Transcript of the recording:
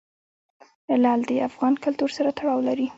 لعل د افغان کلتور سره تړاو لري.